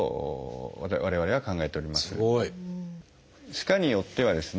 歯科によってはですね